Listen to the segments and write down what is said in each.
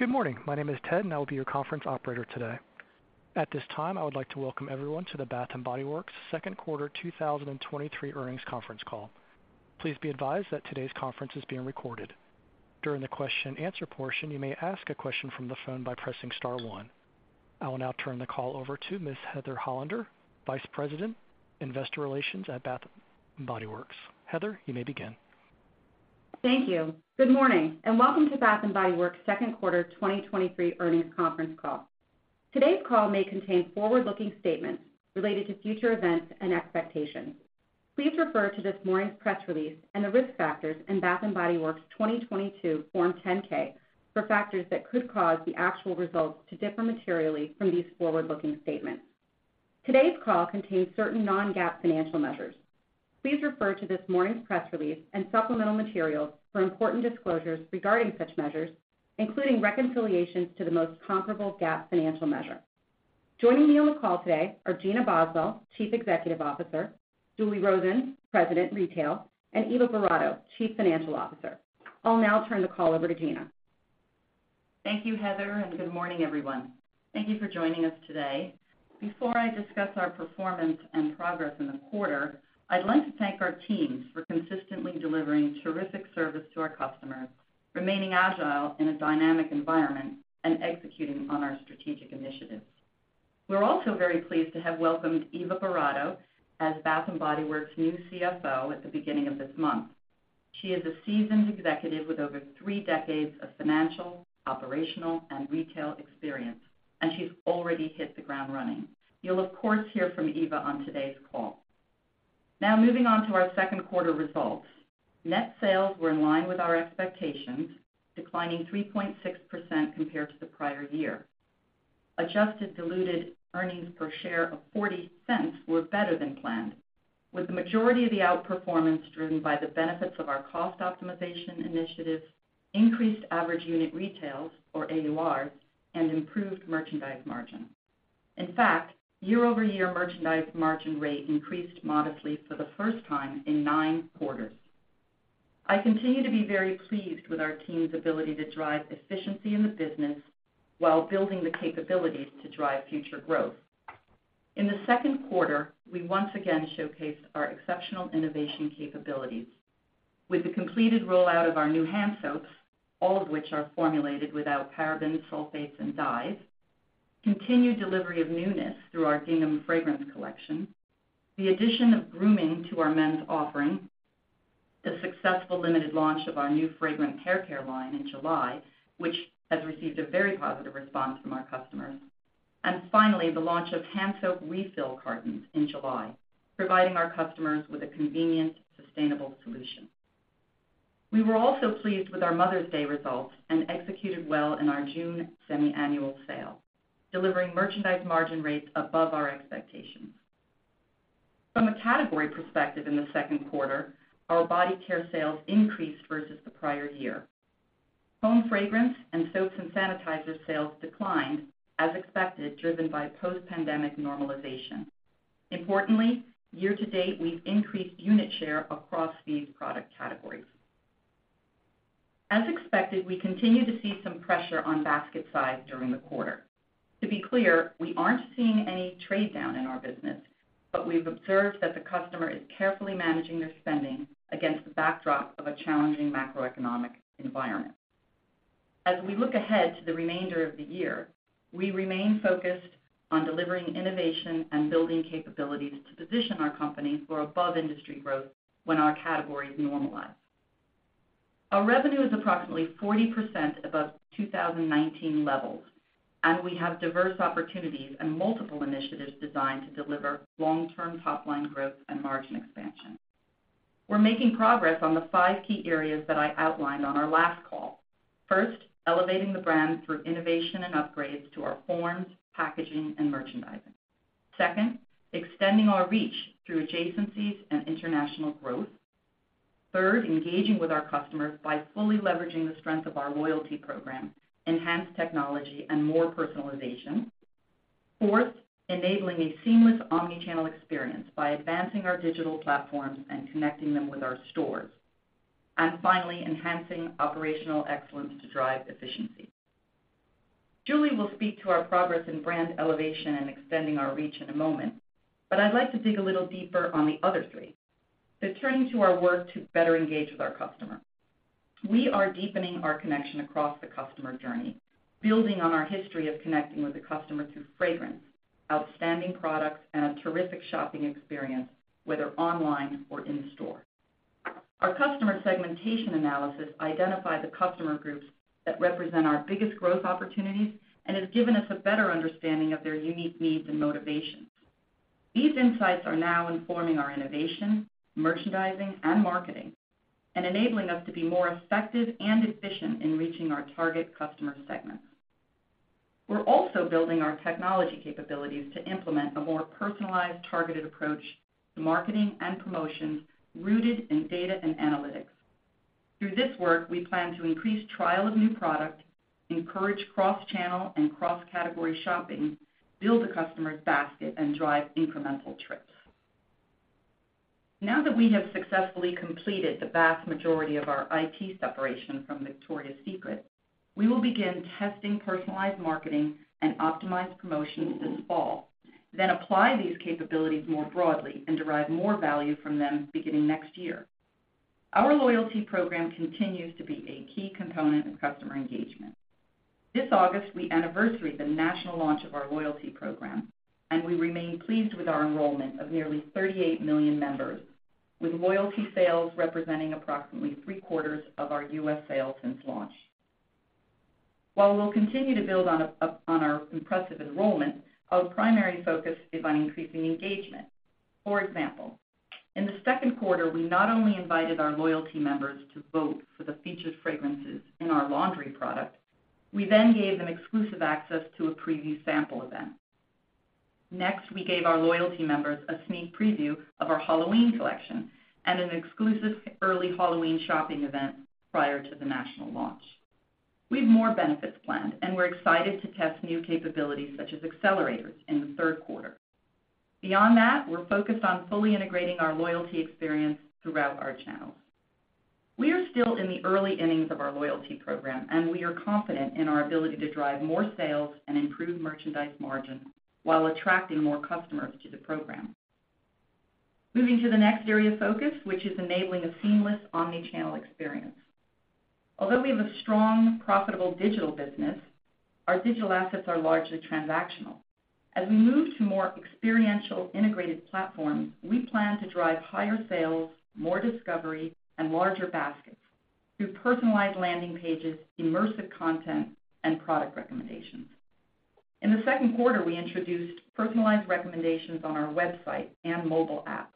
Good morning. My name is Ted, and I will be your conference operator today. At this time, I would like to welcome everyone to the Bath & Body Works second quarter 2023 earnings conference call. Please be advised that today's conference is being recorded. During the question and answer portion, you may ask a question from the phone by pressing star one. I will now turn the call over to Ms. Heather Hollander, Vice President, Investor Relations at Bath & Body Works. Heather, you may begin. Thank you. Good morning, welcome to Bath & Body Works second quarter 2023 earnings conference call. Today's call may contain forward-looking statements related to future events and expectations. Please refer to this morning's press release and the risk factors in Bath & Body Works' 2022 Form 10-K for factors that could cause the actual results to differ materially from these forward-looking statements. Today's call contains certain non-GAAP financial measures. Please refer to this morning's press release and supplemental materials for important disclosures regarding such measures, including reconciliations to the most comparable GAAP financial measure. Joining me on the call today are Gina Boswell, Chief Executive Officer; Julie Rosen, President, Retail; and Eva Boratto, Chief Financial Officer. I'll now turn the call over to Gina. Thank you, Heather, and good morning, everyone. Thank you for joining us today. Before I discuss our performance and progress in the quarter, I'd like to thank our teams for consistently delivering terrific service to our customers, remaining agile in a dynamic environment, and executing on our strategic initiatives. We're also very pleased to have welcomed Eva Boratto as Bath & Body Works' new CFO at the beginning of this month. She is a seasoned executive with over three decades of financial, operational, and retail experience, and she's already hit the ground running. You'll of course, hear from Eva on today's call. Now, moving on to our second quarter results. Net sales were in line with our expectations, declining 3.6% compared to the prior year. Adjusted diluted earnings per share of $0.40 were better than planned, with the majority of the outperformance driven by the benefits of our cost optimization initiatives, increased Average Unit Retails, or AURs, and improved merchandise margin. In fact, year-over-year merchandise margin rate increased modestly for the first time in nine quarters. I continue to be very pleased with our team's ability to drive efficiency in the business while building the capabilities to drive future growth. In the second quarter, we once again showcased our exceptional innovation capabilities with the completed rollout of our new hand soaps, all of which are formulated without parabens, sulfates, and dyes, continued delivery of newness through our Gingham fragrance collection, the addition of grooming to our men's offering, the successful limited launch of our new fragrant haircare line in July, which has received a very positive response from our customers, and finally, the launch of hand soap refill cartons in July, providing our customers with a convenient, sustainable solution. We were also pleased with our Mother's Day results and executed well in our June semi-annual sale, delivering merchandise margin rates above our expectations. From a category perspective in the second quarter, our body care sales increased versus the prior year. Home fragrance and soaps and sanitizers sales declined as expected, driven by post-pandemic normalization. Importantly, year to date, we've increased unit share across these product categories. As expected, we continue to see some pressure on basket size during the quarter. To be clear, we aren't seeing any trade down in our business, but we've observed that the customer is carefully managing their spending against the backdrop of a challenging macroeconomic environment. As we look ahead to the remainder of the year, we remain focused on delivering innovation and building capabilities to position our company for above-industry growth when our categories normalize. Our revenue is approximately 40% above 2019 levels, and we have diverse opportunities and multiple initiatives designed to deliver long-term top-line growth and margin expansion. We're making progress on the five key areas that I outlined on our last call. First, elevating the brand through innovation and upgrades to our forms, packaging, and merchandising. Second, extending our reach through adjacencies and international growth. Third, engaging with our customers by fully leveraging the strength of our loyalty program, enhanced technology, and more personalization. Fourth, enabling a seamless omnichannel experience by advancing our digital platforms and connecting them with our stores. Finally, enhancing operational excellence to drive efficiency. Julie will speak to our progress in brand elevation and extending our reach in a moment, but I'd like to dig a little deeper on the other three. Turning to our work to better engage with our customer. We are deepening our connection across the customer journey, building on our history of connecting with the customer through fragrance, outstanding products, and a terrific shopping experience, whether online or in store. Our customer segmentation analysis identified the customer groups that represent our biggest growth opportunities and has given us a better understanding of their unique needs and motivations. These insights are now informing our innovation, merchandising, and marketing, and enabling us to be more effective and efficient in reaching our target customer segments. We're also building our technology capabilities to implement a more personalized, targeted approach to marketing and promotions rooted in data and analytics. Through this work, we plan to increase trial of new product, encourage cross-channel and cross-category shopping, build a customer's basket, and drive incremental trips. Now that we have successfully completed the vast majority of our IT separation from Victoria's Secret, we will begin testing personalized marketing and optimized promotions this fall, then apply these capabilities more broadly and derive more value from them beginning next year. Our loyalty program continues to be a key component of customer engagement. This August, we anniversary the national launch of our loyalty program, we remain pleased with our enrollment of nearly 38 million members, with loyalty sales representing approximately three-quarters of our U.S. sales since launch. While we'll continue to build on up on our impressive enrollment, our primary focus is on increasing engagement. For example, in the second quarter, we not only invited our loyalty members to vote for the featured fragrances in our laundry product, we then gave them exclusive access to a preview sample event. Next, we gave our loyalty members a sneak preview of our Halloween collection and an exclusive early Halloween shopping event prior to the national launch. We have more benefits planned, and we're excited to test new capabilities, such as accelerators, in the third quarter. Beyond that, we're focused on fully integrating our loyalty experience throughout our channels. We are still in the early innings of our loyalty program, and we are confident in our ability to drive more sales and improve merchandise margin while attracting more customers to the program. Moving to the next area of focus, which is enabling a seamless omni-channel experience. Although we have a strong, profitable digital business, our digital assets are largely transactional. As we move to more experiential integrated platforms, we plan to drive higher sales, more discovery, and larger baskets through personalized landing pages, immersive content, and product recommendations. In the second quarter, we introduced personalized recommendations on our website and mobile app.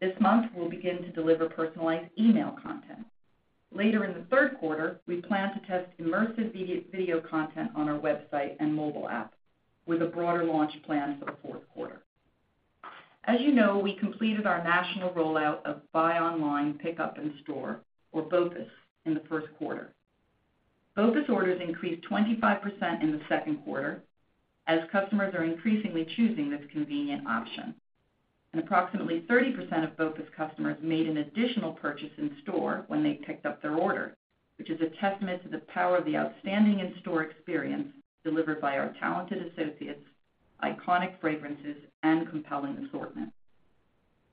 This month, we'll begin to deliver personalized email content. Later in the third quarter, we plan to test immersive video content on our website and mobile app, with a broader launch planned for the fourth quarter. As you know, we completed our national rollout of buy online, pickup in store, or BOPUS, in the first quarter. BOPUS orders increased 25% in the second quarter as customers are increasingly choosing this convenient option. Approximately 30% of BOPUS customers made an additional purchase in store when they picked up their order, which is a testament to the power of the outstanding in-store experience delivered by our talented associates, iconic fragrances, and compelling assortment.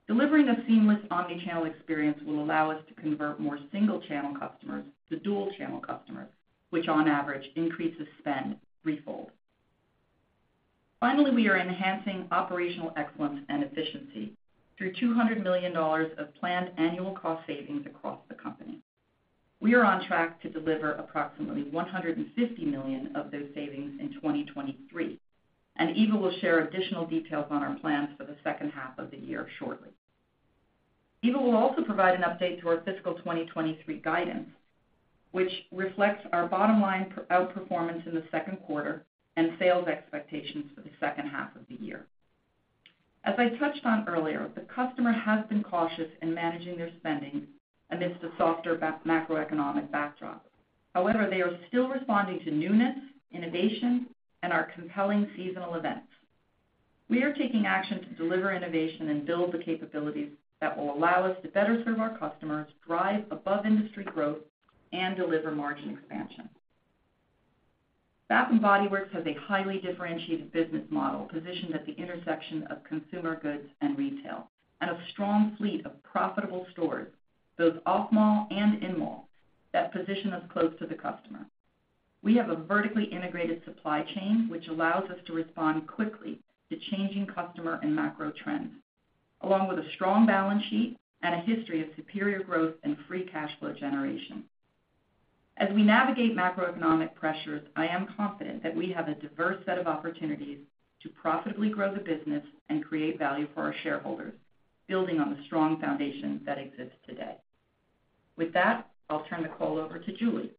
Delivering a seamless omni-channel experience will allow us to convert more single-channel customers to dual-channel customers, which on average, increases spend threefold. Finally, we are enhancing operational excellence and efficiency through $200 million of planned annual cost savings across the company. We are on track to deliver approximately $150 million of those savings in 2023. Eva will share additional details on our plans for the second half of the year shortly. Eva will also provide an update to our fiscal 2023 guidance, which reflects our bottom line outperformance in the second quarter and sales expectations for the second half of the year. As I touched on earlier, the customer has been cautious in managing their spending amidst a softer macroeconomic backdrop. They are still responding to newness, innovation, and our compelling seasonal events. We are taking action to deliver innovation and build the capabilities that will allow us to better serve our customers, drive above-industry growth, and deliver margin expansion. Bath & Body Works has a highly differentiated business model positioned at the intersection of consumer goods and retail, and a strong fleet of profitable stores, both off-mall and in-mall, that position us close to the customer. We have a vertically integrated supply chain, which allows us to respond quickly to changing customer and macro trends, along with a strong balance sheet and a history of superior growth and free cash flow generation. As we navigate macroeconomic pressures, I am confident that we have a diverse set of opportunities to profitably grow the business and create value for our shareholders, building on the strong foundation that exists today. With that, I'll turn the call over to Julie.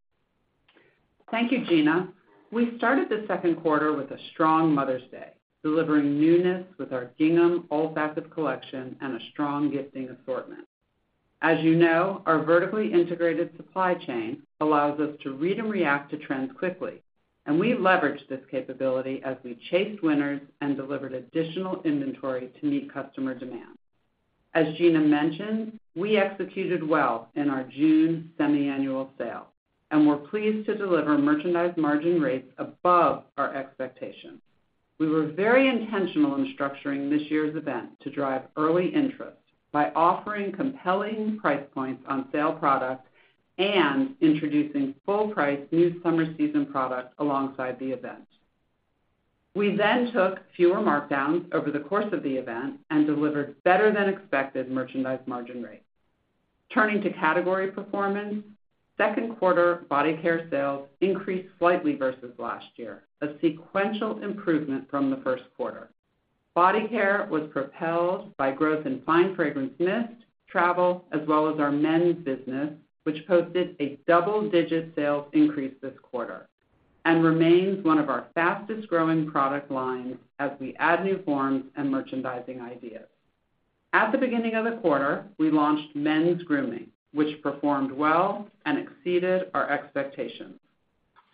Thank you, Gina. We started the second quarter with a strong Mother's Day, delivering newness with our Gingham olfactory collection and a strong gifting assortment. As you know, our vertically integrated supply chain allows us to read and react to trends quickly, and we leveraged this capability as we chased winners and delivered additional inventory to meet customer demand. As Gina mentioned, we executed well in our June Semi-Annual Sale, and we're pleased to deliver merchandise margin rates above our expectations. We were very intentional in structuring this year's event to drive early interest by offering compelling price points on sale products and introducing full price, new summer season products alongside the event. We took fewer markdowns over the course of the event and delivered better-than-expected merchandise margin rates. Turning to category performance, second quarter body care sales increased slightly versus last year, a sequential improvement from the first quarter. Body care was propelled by growth in fine fragrance mist, travel, as well as our men's business, which posted a double-digit sales increase this quarter and remains one of our fastest-growing product lines as we add new forms and merchandising ideas. At the beginning of the quarter, we launched men's grooming, which performed well and exceeded our expectations.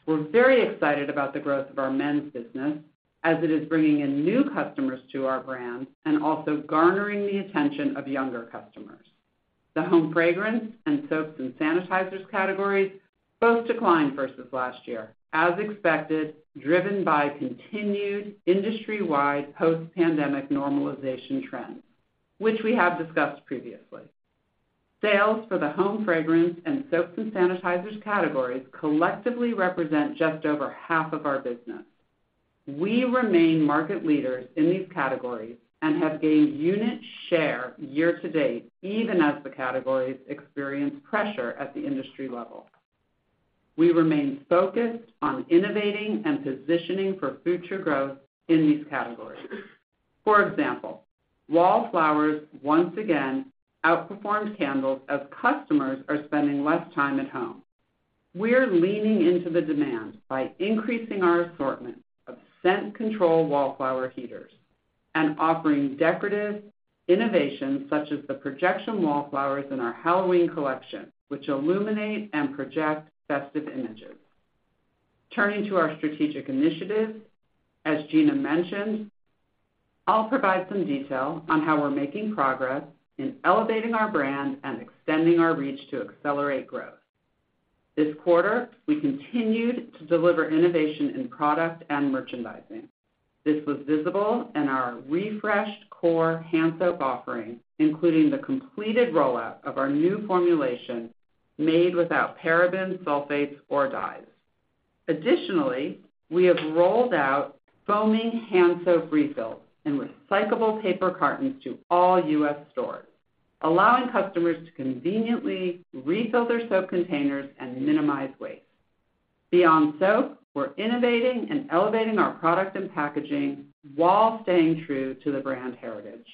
We're very excited about the growth of our men's business, as it is bringing in new customers to our brand and also garnering the attention of younger customers. The home fragrance and soaps and sanitizers categories both declined versus last year, as expected, driven by continued industry-wide post-pandemic normalization trends, which we have discussed previously. Sales for the home fragrance and soaps and sanitizers categories collectively represent just over half of our business. We remain market leaders in these categories and have gained unit share year-to-date, even as the categories experience pressure at the industry level. We remain focused on innovating and positioning for future growth in these categories. For example, Wallflowers once again outperformed candles as customers are spending less time at home. We're leaning into the demand by increasing our assortment of scent control Wallflower heaters and offering decorative innovations, such as the projection Wallflowers in our Halloween collection, which illuminate and project festive images. Turning to our strategic initiatives, as Gina mentioned, I'll provide some detail on how we're making progress in elevating our brand and extending our reach to accelerate growth. This quarter, we continued to deliver innovation in product and merchandising. This was visible in our refreshed core hand soap offering, including the completed rollout of our new formulation made without parabens, sulfates, or dyes. Additionally, we have rolled out foaming hand soap refills in recyclable paper cartons to all U.S. stores, allowing customers to conveniently refill their soap containers and minimize waste. Beyond soap, we're innovating and elevating our product and packaging while staying true to the brand heritage.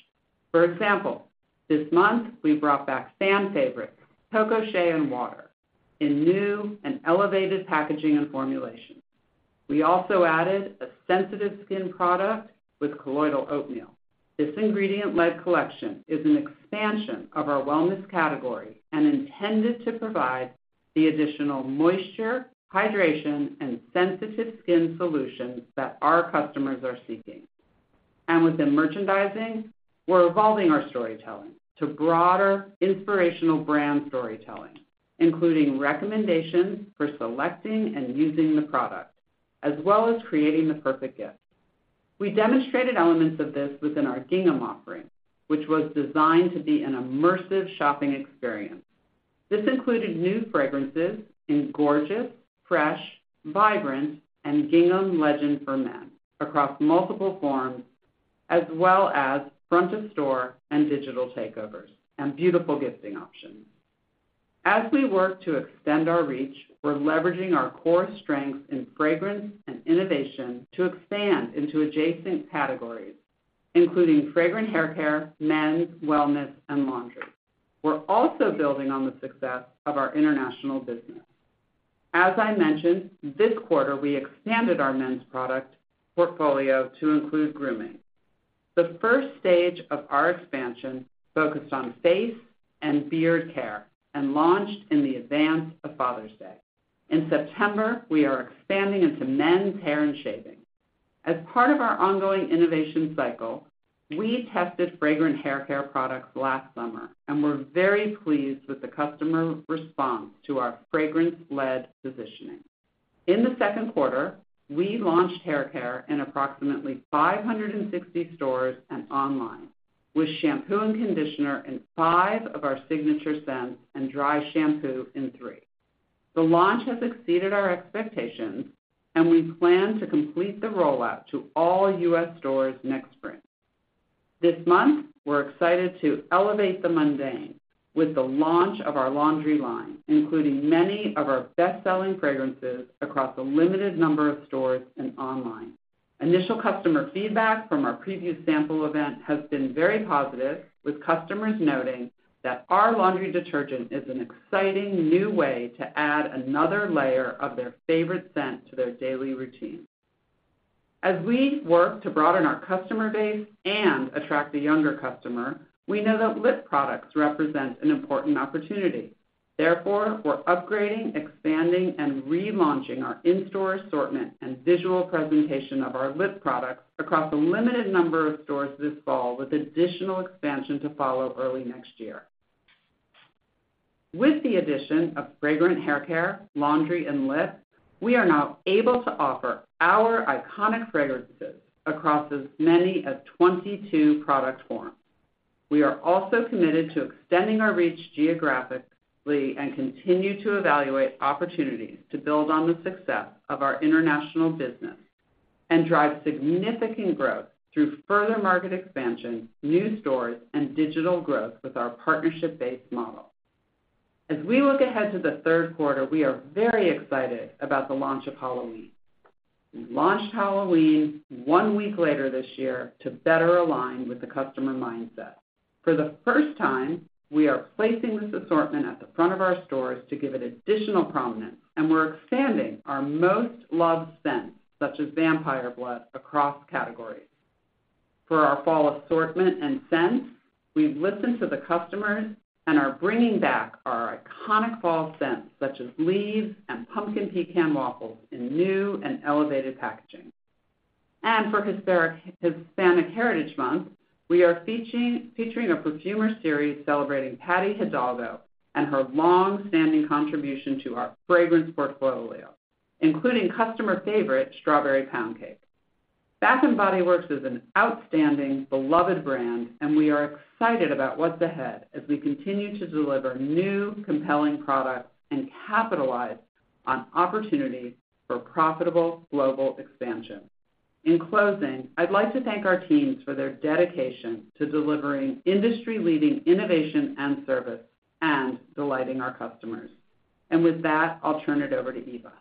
For example, this month, we brought back fan favorite, Coco Shea and Water, in new and elevated packaging and formulation. We also added a sensitive skin product with colloidal oatmeal. This ingredient-led collection is an expansion of our wellness category and intended to provide the additional moisture, hydration, and sensitive skin solutions that our customers are seeking. Within merchandising, we're evolving our storytelling to broader, inspirational brand storytelling, including recommendations for selecting and using the product, as well as creating the perfect gift. We demonstrated elements of this within our Gingham offering, which was designed to be an immersive shopping experience. This included new fragrances in Gorgeous, Fresh, vibrant, and Gingham Legend for men across multiple forms, as well as front-of-store and digital takeovers and beautiful gifting options. As we work to extend our reach, we're leveraging our core strengths in fragrance and innovation to expand into adjacent categories, including fragrant hair care, men's, wellness, and laundry. We're also building on the success of our international business. As I mentioned, this quarter, we expanded our men's product portfolio to include grooming. The first stage of our expansion focused on face and beard care and launched in the advance of Father's Day. In September, we are expanding into men's hair and shaving. As part of our ongoing innovation cycle, we tested fragrant hair care products last summer, and we're very pleased with the customer response to our fragrance-led positioning. In the second quarter, we launched hair care in approximately 560 stores and online, with shampoo and conditioner in five of our signature scents and dry shampoo in three. The launch has exceeded our expectations, and we plan to complete the rollout to all U.S. stores next spring. This month, we're excited to elevate the mundane with the launch of our laundry line, including many of our best-selling fragrances across a limited number of stores and online. Initial customer feedback from our preview sample event has been very positive, with customers noting that our laundry detergent is an exciting new way to add another layer of their favorite scent to their daily routine. As we work to broaden our customer base and attract the younger customer, we know that lip products represent an important opportunity. Therefore, we're upgrading, expanding, and relaunching our in-store assortment and visual presentation of our lip products across a limited number of stores this fall, with additional expansion to follow early next year. With the addition of fragrant hair care, laundry, and lip, we are now able to offer our iconic fragrances across as many as 22 product forms. We are also committed to extending our reach geographically and continue to evaluate opportunities to build on the success of our international business and drive significant growth through further market expansion, new stores, and digital growth with our partnership-based model. As we look ahead to the third quarter, we are very excited about the launch of Halloween. We launched Halloween one week later this year to better align with the customer mindset. For the first time, we are placing this assortment at the front of our stores to give it additional prominence, and we're expanding our most-loved scents, such as Vampire Blood, across categories. For our fall assortment and scents, we've listened to the customers and are bringing back our iconic fall scents, such as Leaves and Pumpkin Pecan Waffles, in new and elevated packaging. For Hispanic Heritage Month, we are featuring a perfumer series celebrating Patricia Bilodeau and her long-standing contribution to our fragrance portfolio, including customer favorite, Strawberry Pound Cake. Bath & Body Works is an outstanding, beloved brand, and we are excited about what's ahead as we continue to deliver new, compelling products and capitalize on opportunities for profitable global expansion. In closing, I'd like to thank our teams for their dedication to delivering industry-leading innovation and service and delighting our customers. With that, I'll turn it over to Eva.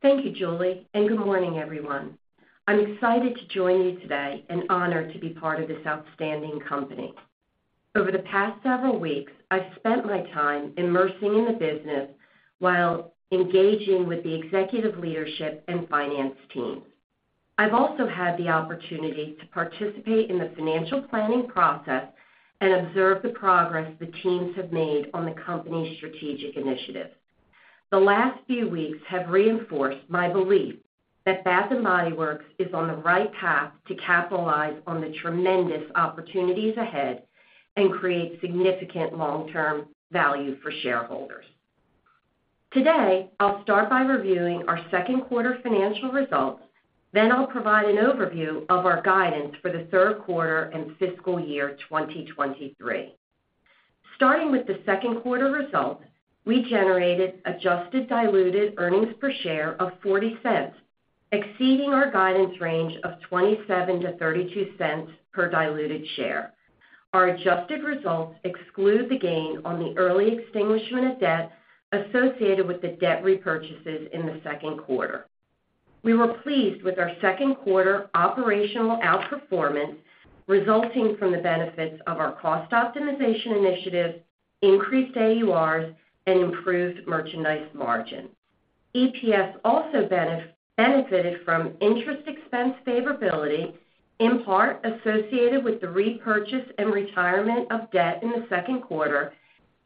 Thank you, Julie, and good morning, everyone. I'm excited to join you today and honored to be part of this outstanding company. Over the past several weeks, I've spent my time immersing in the business while engaging with the executive leadership and finance team. I've also had the opportunity to participate in the financial planning process and observe the progress the teams have made on the company's strategic initiatives. The last few weeks have reinforced my belief that Bath & Body Works is on the right path to capitalize on the tremendous opportunities ahead and create significant long-term value for shareholders. Today, I'll start by reviewing our second quarter financial results, then I'll provide an overview of our guidance for the third quarter and fiscal year 2023. Starting with the second quarter results, we generated adjusted diluted earnings per share of $0.40, exceeding our guidance range of $0.27-$0.32 per diluted share. Our adjusted results exclude the gain on the early extinguishment of debt associated with the debt repurchases in the second quarter. We were pleased with our second quarter operational outperformance, resulting from the benefits of our cost optimization initiative, increased AURs, and improved merchandise margin. EPS also benefited from interest expense favorability, in part associated with the repurchase and retirement of debt in the second quarter,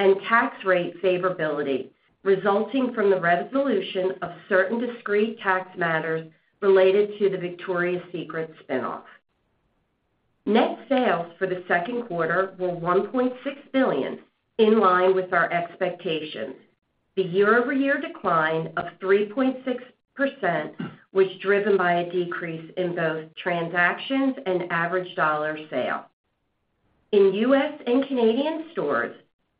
and tax rate favorability, resulting from the resolution of certain discrete tax matters related to the Victoria's Secret spin-off. Net sales for the second quarter were $1.6 billion, in line with our expectations. The year-over-year decline of 3.6% was driven by a decrease in both transactions and average dollar sale. In U.S. and Canadian stores,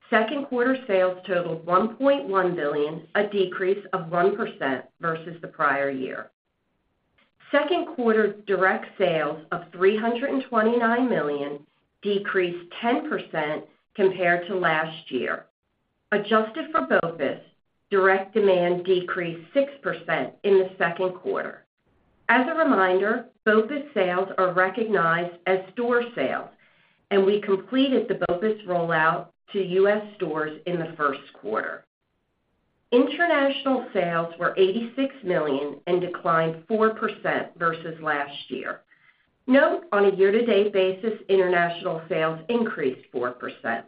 second quarter sales totaled $1.1 billion, a decrease of 1% versus the prior year. Second quarter direct sales of $329 million decreased 10% compared to last year. Adjusted for BOPIS, direct demand decreased 6% in the second quarter. As a reminder, BOPIS sales are recognized as store sales, and we completed the BOPIS rollout to U.S. stores in the first quarter. International sales were $86 million and declined 4% versus last year. Note, on a year-to-date basis, international sales increased 4%.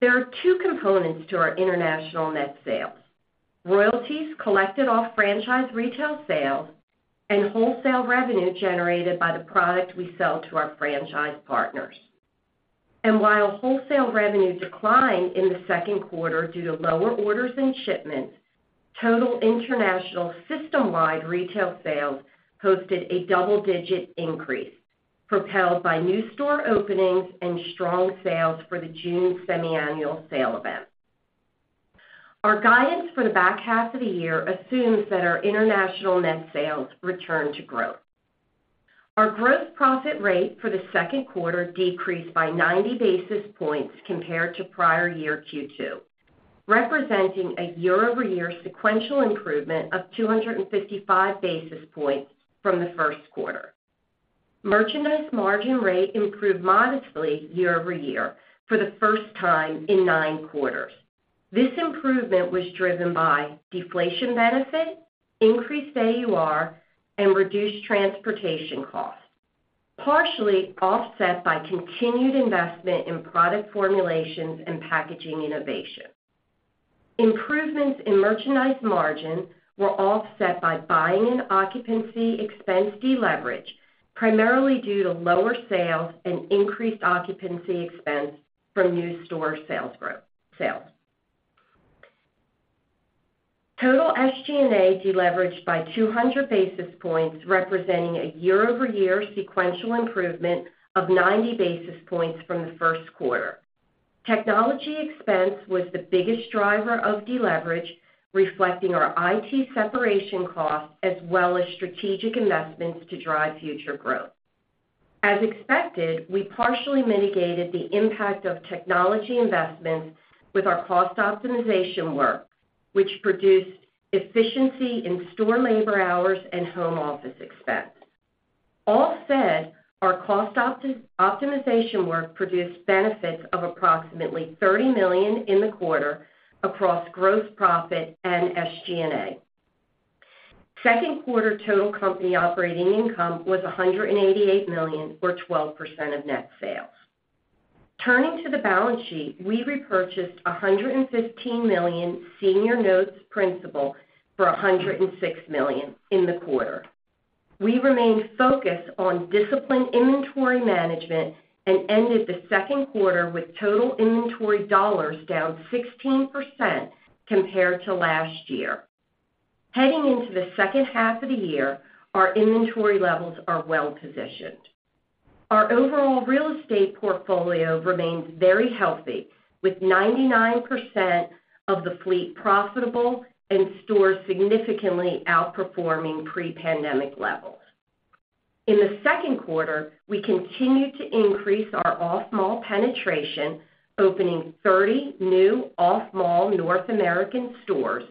There are two components to our international net sales: royalties collected off franchise retail sales and wholesale revenue generated by the product we sell to our franchise partners. While wholesale revenue declined in the second quarter due to lower orders and shipments, total international system-wide retail sales posted a double-digit increase, propelled by new store openings and strong sales for the June Semi-Annual Sale event. Our guidance for the back half of the year assumes that our international net sales return to growth. Our gross profit rate for the second quarter decreased by 90 basis points compared to prior year Q2, representing a year-over-year sequential improvement of 255 basis points from the first quarter. Merchandise margin rate improved modestly year-over-year for the first time in nine quarters. This improvement was driven by deflation benefit, increased AUR, and reduced transportation costs, partially offset by continued investment in product formulations and packaging innovation. Improvements in merchandise margin were offset by buying and occupancy expense deleverage, primarily due to lower sales and increased occupancy expense from new store sales growth-- sales. Total SG&A deleveraged by 200 basis points, representing a year-over-year sequential improvement of 90 basis points from the first quarter. Technology expense was the biggest driver of deleverage, reflecting our IT separation costs, as well as strategic investments to drive future growth. As expected, we partially mitigated the impact of technology investments with our cost optimization work, which produced efficiency in store labor hours and home office expense. All said, our cost optimization work produced benefits of approximately $30 million in the quarter across gross profit and SG&A. Second quarter total company operating income was $188 million, or 12% of net sales. Turning to the balance sheet, we repurchased $115 million senior notes principal for $106 million in the quarter. We remained focused on disciplined inventory management and ended the second quarter with total inventory dollars down 16% compared to last year. Heading into the second half of the year, our inventory levels are well positioned. Our overall real estate portfolio remains very healthy, with 99% of the fleet profitable and stores significantly outperforming pre-pandemic levels. In the second quarter, we continued to increase our off-mall penetration, opening 30 new off-mall North American stores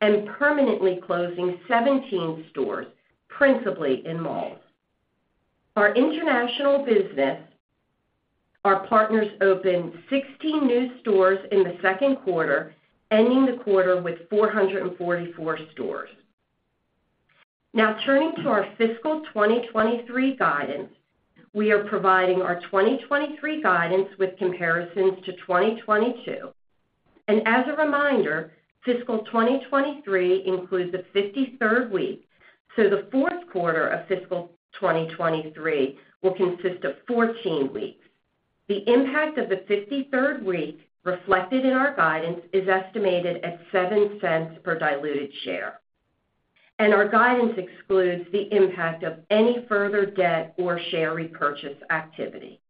and permanently closing 17 stores, principally in malls. Our international business, our partners opened 16 new stores in the second quarter, ending the quarter with 444 stores. Turning to our fiscal 2023 guidance, we are providing our 2023 guidance with comparisons to 2022. As a reminder, fiscal 2023 includes a 53rd week, so the 4th quarter of fiscal 2023 will consist of 14 weeks. The impact of the 53rd week reflected in our guidance is estimated at $0.07 per diluted share, and our guidance excludes the impact of any further debt or share repurchase activity.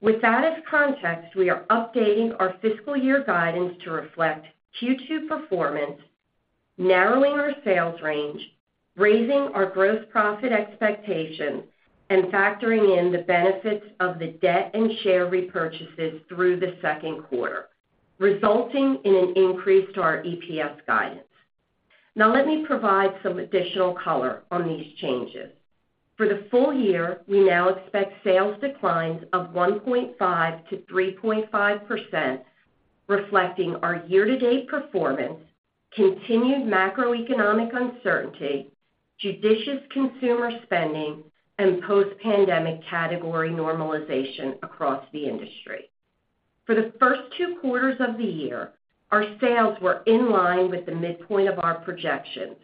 With that as context, we are updating our fiscal year guidance to reflect Q2 performance, narrowing our sales range, raising our gross profit expectations, and factoring in the benefits of the debt and share repurchases through the 2nd quarter, resulting in an increase to our EPS guidance. Let me provide some additional color on these changes. For the full year, we now expect sales declines of 1.5%-3.5%, reflecting our year-to-date performance, continued macroeconomic uncertainty, judicious consumer spending, and post-pandemic category normalization across the industry. For the first 2 quarters of the year, our sales were in line with the midpoint of our projections.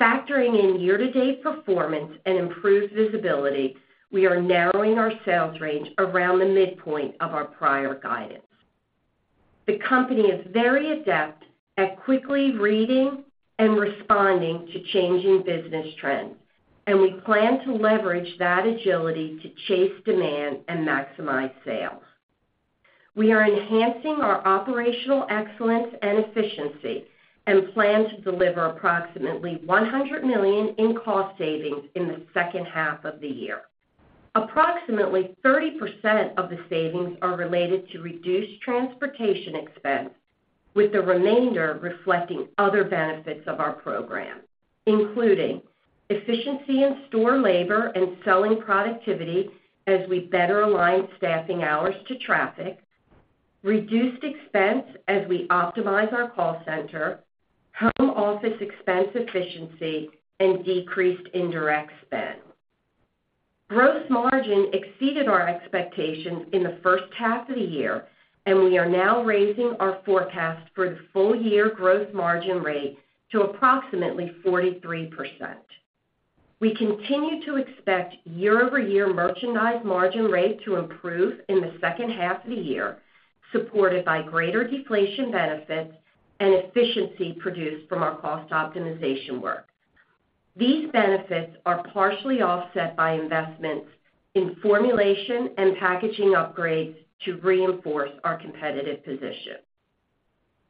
Factoring in year-to-date performance and improved visibility, we are narrowing our sales range around the midpoint of our prior guidance. The company is very adept at quickly reading and responding to changing business trends. We plan to leverage that agility to chase demand and maximize sales. We are enhancing our operational excellence and efficiency and plan to deliver approximately $100 million in cost savings in the second half of the year. Approximately 30% of the savings are related to reduced transportation expense, with the remainder reflecting other benefits of our program. Including efficiency in store labor and selling productivity as we better align staffing hours to traffic, reduced expense as we optimize our call center, home office expense efficiency, and decreased indirect spend. Gross margin exceeded our expectations in the first half of the year. We are now raising our forecast for the full year gross margin rate to approximately 43%. We continue to expect year-over-year merchandise margin rate to improve in the second half of the year, supported by greater deflation benefits and efficiency produced from our cost optimization work. These benefits are partially offset by investments in formulation and packaging upgrades to reinforce our competitive position.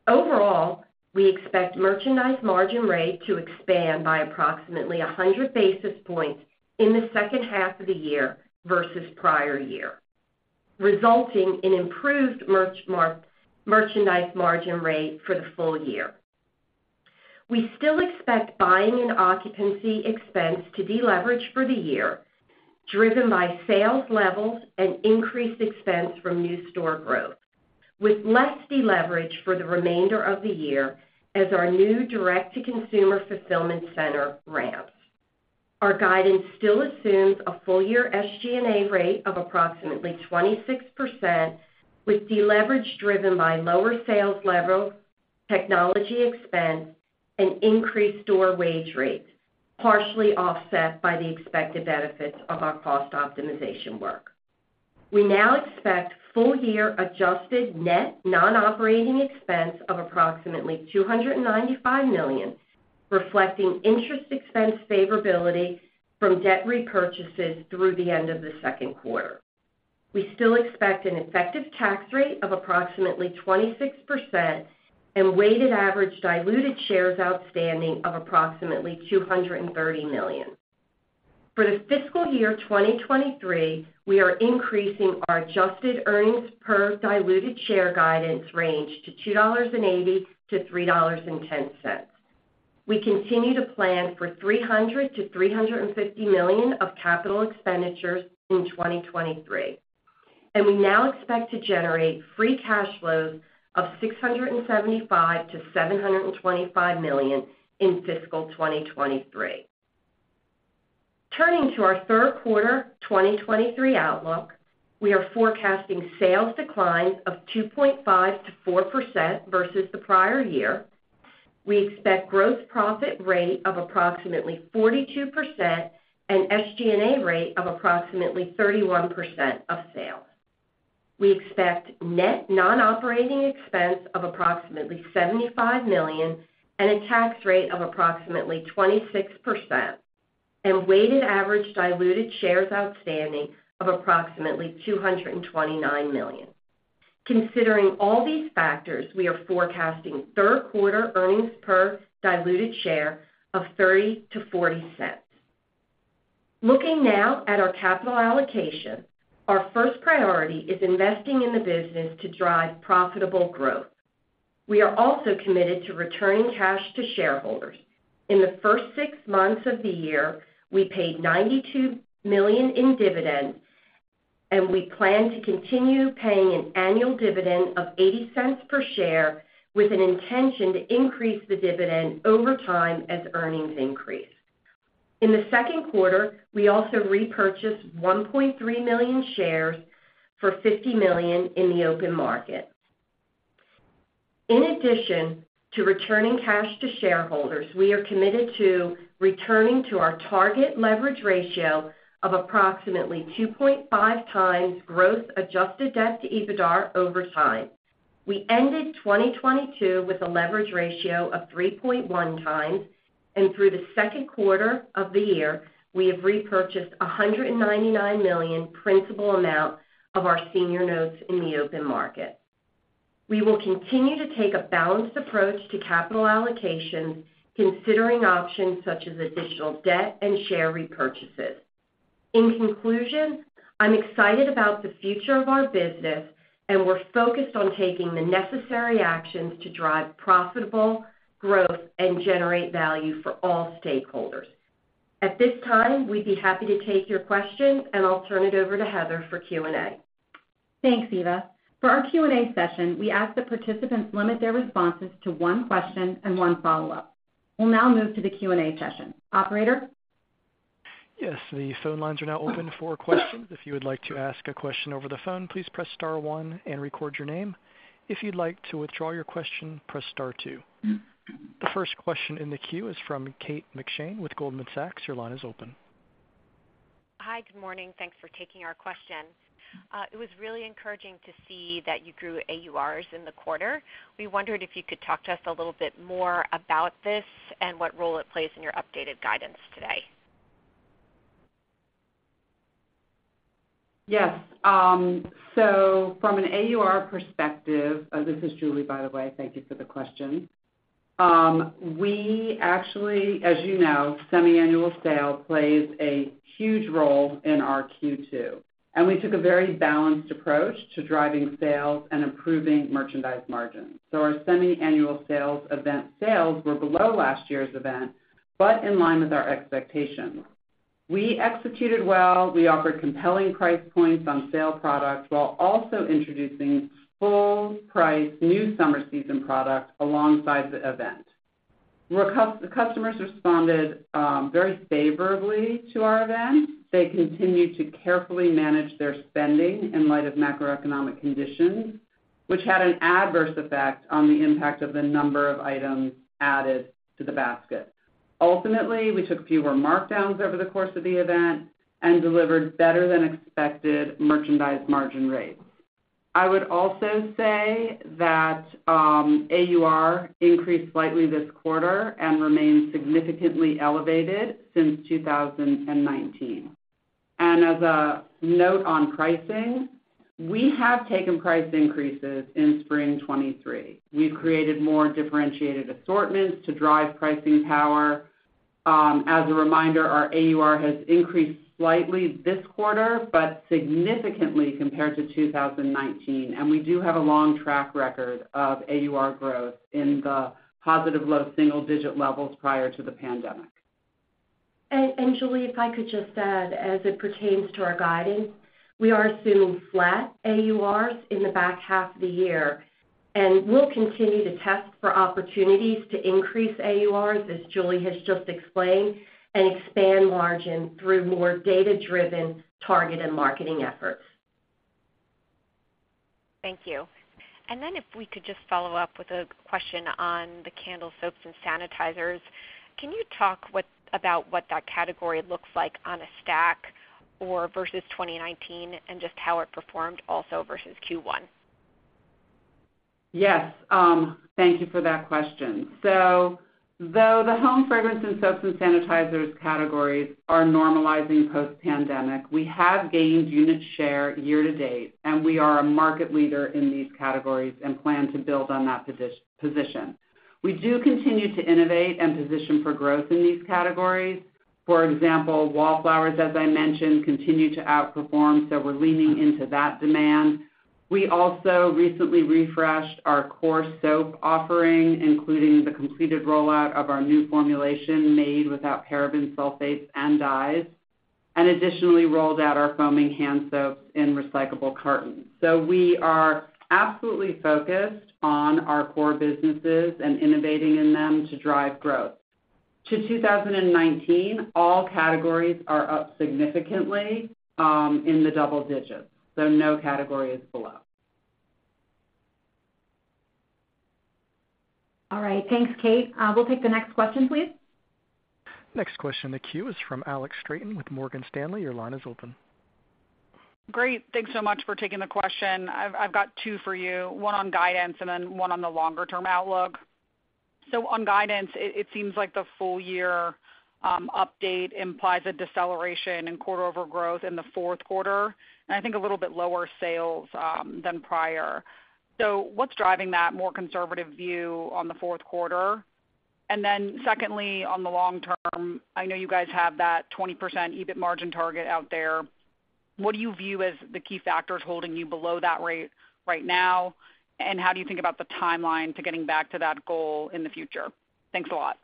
Overall, we expect merchandise margin rate to expand by approximately 100 basis points in the second half of the year versus prior year, resulting in improved merchandise margin rate for the full year. We still expect buying and occupancy expense to deleverage for the year, driven by sales levels and increased expense from new store growth, with less deleverage for the remainder of the year as our new direct-to-consumer fulfillment center ramps. Our guidance still assumes a full-year SG&A rate of approximately 26%, with deleverage driven by lower sales levels, technology expense, and increased store wage rates, partially offset by the expected benefits of our cost optimization work. We now expect full-year adjusted net non-operating expense of approximately $295 million, reflecting interest expense favorability from debt repurchases through the end of the second quarter. We still expect an effective tax rate of approximately 26% and weighted average diluted shares outstanding of approximately 230 million. For the fiscal year 2023, we are increasing our adjusted earnings per diluted share guidance range to $2.80-$3.10. We continue to plan for $300 million-$350 million of capital expenditures in 2023. We now expect to generate free cash flows of $675 million-$725 million in fiscal 2023. Turning to our third quarter 2023 outlook, we are forecasting sales declines of 2.5%-4% versus the prior year. We expect gross profit rate of approximately 42% and SG&A rate of approximately 31% of sales. We expect net non-operating expense of approximately $75 million and a tax rate of approximately 26%, and weighted average diluted shares outstanding of approximately 229 million. Considering all these factors, we are forecasting third quarter earnings per diluted share of $0.30-$0.40. Looking now at our capital allocation, our first priority is investing in the business to drive profitable growth. We are also committed to returning cash to shareholders. In the first six months of the year, we paid $92 million in dividends, and we plan to continue paying an annual dividend of $0.80 per share, with an intention to increase the dividend over time as earnings increase. In the second quarter, we also repurchased 1.3 million shares for $50 million in the open market. In addition to returning cash to shareholders, we are committed to returning to our target leverage ratio of approximately 2.5 times gross adjusted debt to EBITDA over time. We ended 2022 with a leverage ratio of 3.1 times. Through the second quarter of the year, we have repurchased $199 million principal amount of our senior notes in the open market. We will continue to take a balanced approach to capital allocation, considering options such as additional debt and share repurchases. In conclusion, I'm excited about the future of our business. We're focused on taking the necessary actions to drive profitable growth and generate value for all stakeholders. At this time, we'd be happy to take your questions. I'll turn it over to Heather for Q&A. Thanks, Eva. For our Q&A session, we ask that participants limit their responses to one question and one follow-up. We'll now move to the Q&A session. Operator? Yes, the phone lines are now open for questions. If you would like to ask a question over the phone, please press star one and record your name. If you'd like to withdraw your question, press star two. The first question in the queue is from Kate McShane with Goldman Sachs. Your line is open. Hi, good morning. Thanks for taking our question. It was really encouraging to see that you grew AURs in the quarter. We wondered if you could talk to us a little bit more about this and what role it plays in your updated guidance today? Yes, from an AUR perspective. This is Julie, by the way. Thank you for the question. We actually, as you know, Semi-Aannual Sale plays a huge role in our Q2, we took a very balanced approach to driving sales and improving merchandise margins. Our Semi-Annual Sales event sales were below last year's event, in line with our expectations. We executed well. We offered compelling price points on sale products, while also introducing full-price, new summer season products alongside the event. The customers responded very favorably to our event. They continued to carefully manage their spending in light of macroeconomic conditions, which had an adverse effect on the impact of the number of items added to the basket. Ultimately, we took fewer markdowns over the course of the event and delivered better than expected merchandise margin rates. I would also say that AUR increased slightly this quarter and remains significantly elevated since 2019. As a note on pricing, we have taken price increases in spring 2023. We've created more differentiated assortments to drive pricing power. As a reminder, our AUR has increased slightly this quarter, but significantly compared to 2019, and we do have a long track record of AUR growth in the positive low single-digit levels prior to the pandemic. Julie, if I could just add, as it pertains to our guidance, we are assuming flat AURs in the back half of the year, and we'll continue to test for opportunities to increase AURs, as Julie has just explained, and expand margin through more data-driven, targeted marketing efforts. Thank you. Then if we could just follow up with a question on the candles, soaps, and sanitizers. Can you talk about what that category looks like on a stack or versus 2019, and just how it performed also versus Q1? Yes, thank you for that question. Though the home fragrance and soaps and sanitizers categories are normalizing post-pandemic, we have gained unit share year to date. We are a market leader in these categories and plan to build on that position. We do continue to innovate and position for growth in these categories. For example, Wallflowers, as I mentioned, continue to outperform, so we're leaning into that demand.... We also recently refreshed our core soap offering, including the completed rollout of our new formulation, made without paraben, sulfates and dyes, and additionally, rolled out our foaming hand soaps in recyclable cartons. We are absolutely focused on our core businesses and innovating in them to drive growth. To 2019, all categories are up significantly in the double digits, so no category is below. All right. Thanks, Kate. We'll take the next question, please. Next question in the queue is from Alex Straton with Morgan Stanley. Your line is open. Great. Thanks so much for taking the question. I've, I've got two for you, one on guidance and then one on the longer-term outlook. On guidance, it, it seems like the full year update implies a deceleration in quarter-over-quarter growth in the fourth quarter, and I think a little bit lower sales than prior. What's driving that more conservative view on the fourth quarter? Secondly, on the long term, I know you guys have that 20% EBIT margin target out there. What do you view as the key factors holding you below that rate right now? How do you think about the timeline to getting back to that goal in the future? Thanks a lot.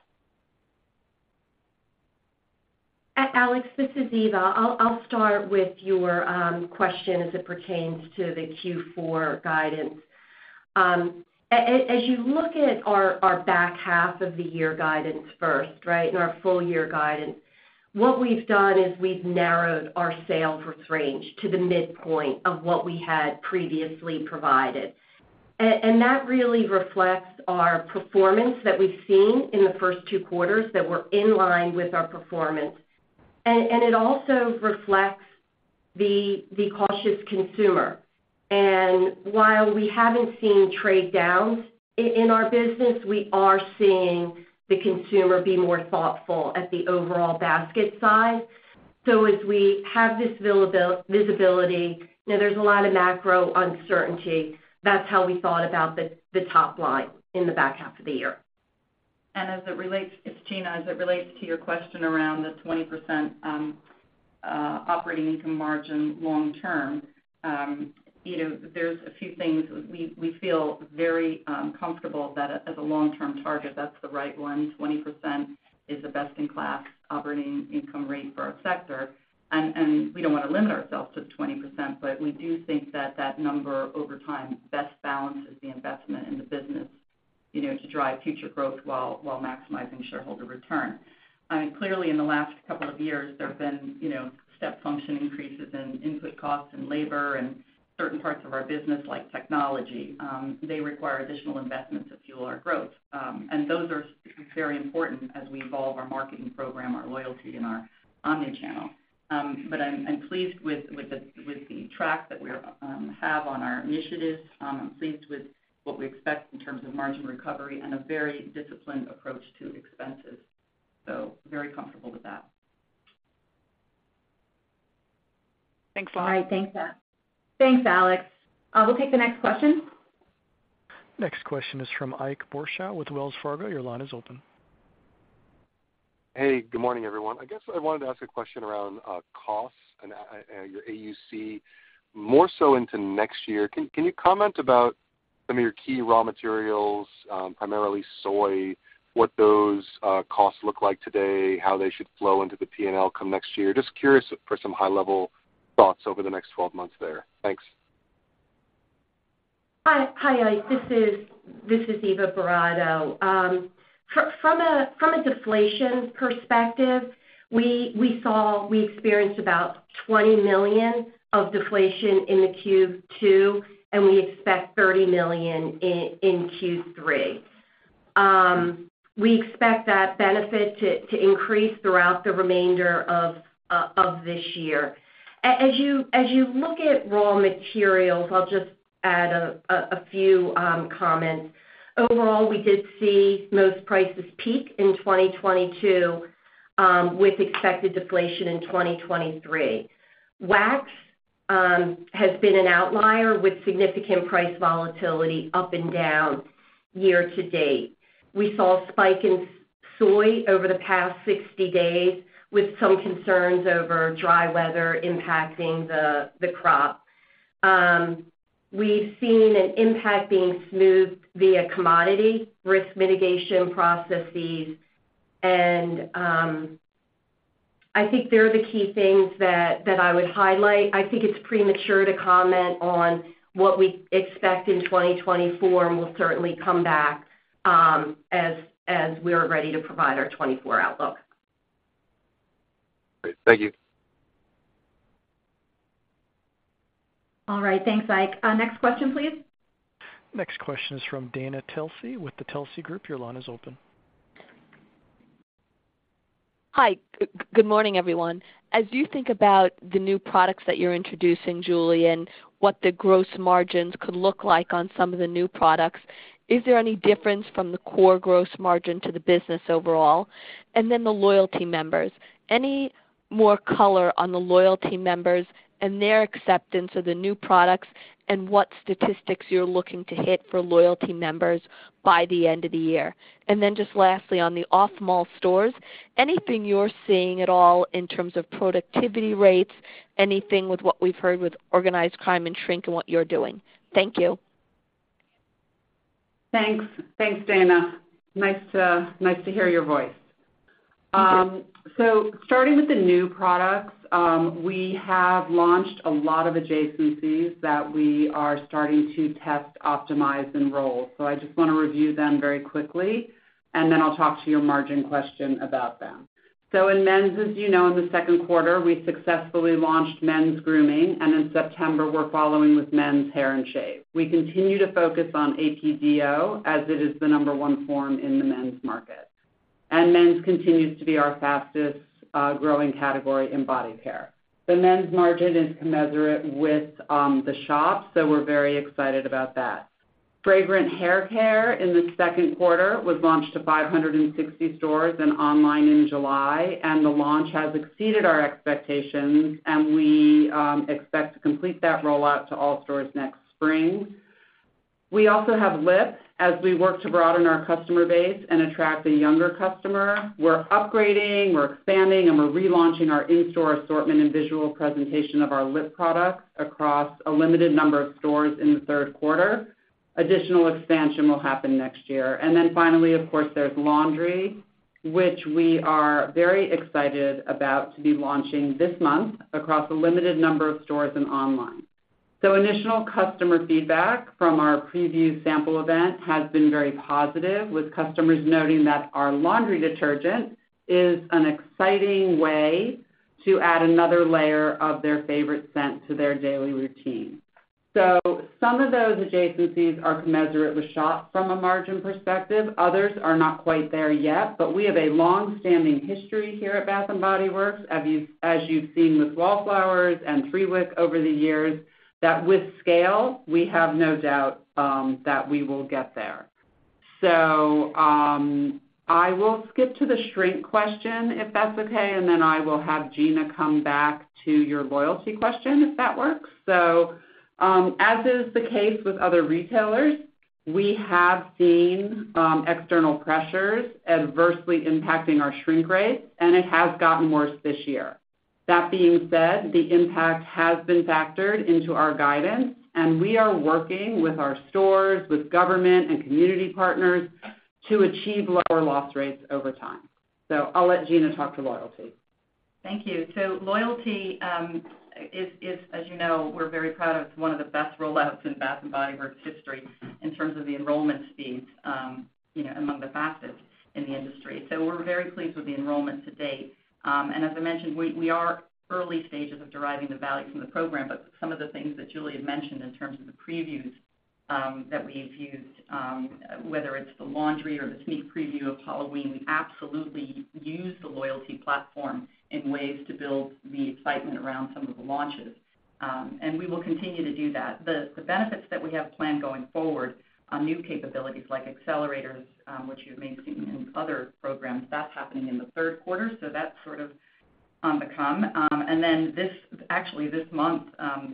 Alex, this is Eva. I'll start with your question as it pertains to the Q4 guidance. As you look at our back half of the year guidance first, right, and our full year guidance, what we've done is we've narrowed our sales range to the midpoint of what we had previously provided. That really reflects our performance that we've seen in the first two quarters that were in line with our performance. It also reflects the cautious consumer. While we haven't seen trade downs in our business, we are seeing the consumer be more thoughtful at the overall basket size. As we have this visibility, you know, there's a lot of macro uncertainty. That's how we thought about the top line in the back half of the year. As it relates... It's Gina, as it relates to your question around the 20% operating income margin long term, you know, there's a few things we, we feel very comfortable that as a long-term target, that's the right one. 20% is the best-in-class operating income rate for our sector, and we don't wanna limit ourselves to 20%, but we do think that that number, over time, best balances the investment in the business, you know, to drive future growth while, while maximizing shareholder return. I mean, clearly, in the last couple of years, there have been, you know, step function increases in input costs and labor and certain parts of our business, like technology. They require additional investments to fuel our growth, and those are very important as we evolve our marketing program, our loyalty, and our omni-channel. I'm, I'm pleased with, with the, with the track that we're have on our initiatives. I'm pleased with what we expect in terms of margin recovery and a very disciplined approach to expenses, so very comfortable with that. Thanks a lot. All right, thanks, thanks, Alex. We'll take the next question. Next question is from Ike Boruchow with Wells Fargo. Your line is open. Hey, good morning, everyone. I guess I wanted to ask a question around costs and your AUC more so into next year. Can you comment about some of your key raw materials, primarily soy, what those costs look like today, how they should flow into the P&L come next year? Just curious for some high-level thoughts over the next 12 months there. Thanks. Hi, Ike. This is Eva Boratto. From a deflation perspective, we experienced about $20 million of deflation in the Q2, and we expect $30 million in Q3. We expect that benefit to increase throughout the remainder of this year. As you look at raw materials, I'll just add a few comments. Overall, we did see most prices peak in 2022 with expected deflation in 2023. Wax has been an outlier with significant price volatility up and down year to date. We saw a spike in soy over the past 60 days, with some concerns over dry weather impacting the crop. We've seen an impact being smoothed via commodity risk mitigation processes, and I think they're the key things that I would highlight. I think it's premature to comment on what we expect in 2024, and we'll certainly come back, as, as we're ready to provide our 2024 outlook. Great. Thank you. All right. Thanks, Ike. Next question, please. Next question is from Dana Telsey with the Telsey Group. Your line is open. Hi, good morning, everyone. As you think about the new products that you're introducing, Julie, and what the gross margins could look like on some of the new products, is there any difference from the core gross margin to the business overall? The loyalty members, any more color on the loyalty members and their acceptance of the new products, and what statistics you're looking to hit for loyalty members by the end of the year? Just lastly, on the off-mall stores, anything you're seeing at all in terms of productivity rates, anything with what we've heard with organized crime and shrink and what you're doing? Thank you. Thanks. Thanks, Dana. Nice to, nice to hear your voice. Starting with the new products, we have launched a lot of adjacencies that we are starting to test, optimize, and roll. I just want to review them very quickly, and then I'll talk to your margin question about them. In men's, as you know, in the second quarter, we successfully launched men's grooming, and in September, we're following with men's hair and shave. We continue to focus on APDO, as it is the number 1 form in the men's market. Men's continues to be our fastest growing category in body care. The men's margin is commensurate with the shop, so we're very excited about that. Fragrant hair care in the second quarter was launched to 560 stores and online in July. The launch has exceeded our expectations, and we expect to complete that rollout to all stores next spring. We also have lips. As we work to broaden our customer base and attract a younger customer, we're upgrading, we're expanding, and we're relaunching our in-store assortment and visual presentation of our lip products across a limited number of stores in the third quarter. Additional expansion will happen next year. Then finally, of course, there's laundry, which we are very excited about to be launching this month across a limited number of stores and online. Initial customer feedback from our preview sample event has been very positive, with customers noting that our laundry detergent is an exciting way to add another layer of their favorite scent to their daily routine. Some of those adjacencies are commensurate with shop from a margin perspective. Others are not quite there yet, but we have a long-standing history here at Bath & Body Works, as you've, as you've seen with Wallflowers and 3-Wick Candle over the years, that with scale, we have no doubt that we will get there. I will skip to the shrink question, if that's okay, and then I will have Gina come back to your loyalty question, if that works. As is the case with other retailers, we have seen external pressures adversely impacting our shrink rates, and it has gotten worse this year. That being said, the impact has been factored into our guidance, and we are working with our stores, with government and community partners to achieve lower loss rates over time. I'll let Gina talk to loyalty. Thank you. Loyalty, is, is, as you know, we're very proud of, one of the best rollouts in Bath & Body Works history in terms of the enrollment fees, you know, among the fastest in the industry. We're very pleased with the enrollment to date. As I mentioned, we, we are early stages of deriving the value from the program, but some of the things that Julie had mentioned in terms of the previews, that we've used, whether it's the laundry or the sneak preview of Halloween, we absolutely use the loyalty platform in ways to build the excitement around some of the launches. We will continue to do that. The benefits that we have planned going forward on new capabilities like accelerators, which you may have seen in other programs, that's happening in the third quarter, so that's sort of on the come. Then actually, this month,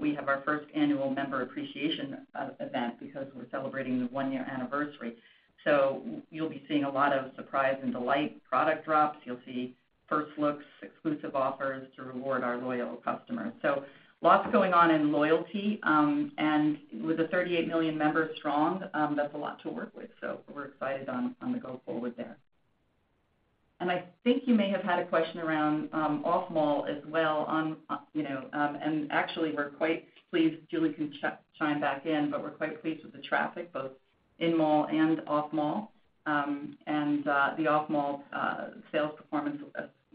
we have our first annual member appreciation event because we're celebrating the one-year anniversary. So you'll be seeing a lot of surprise and delight, product drops. You'll see first looks, exclusive offers to reward our loyal customers. So lots going on in loyalty, and with the 38 million members strong, that's a lot to work with. So we're excited on, on the go-forward there. I think you may have had a question around off-mall as well, on, on, you know, and actually, we're quite pleased. Julie can chime back in, but we're quite pleased with the traffic, both in-mall and off-mall. The off-mall sales performance